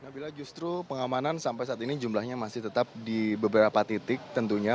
nabila justru pengamanan sampai saat ini jumlahnya masih tetap di beberapa titik tentunya